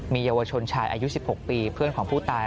มีเยาวชนชายอายุ๑๖ปีเพื่อนของผู้ตาย